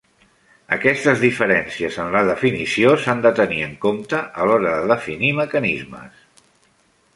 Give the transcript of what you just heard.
Aquestes diferències en la definició s'han de tenir en compte a l'hora de definir mecanismes.